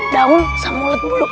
daun sama mulut mulu